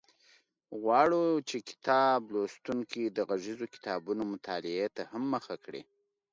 غواړو چې کتاب لوستونکي د غږیزو کتابونو مطالعې ته هم مخه کړي.